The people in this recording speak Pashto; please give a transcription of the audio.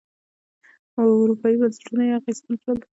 اروپايي بنسټونه یې اغېزمن کړل.